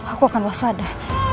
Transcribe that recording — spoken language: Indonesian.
aku akan puas pada